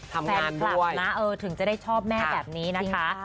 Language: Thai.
ทำงานด้วยถึงจะได้ชอบแม่แบบนี้นะคะ